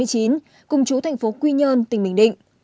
công chú tp quy nhơn tỉnh bình định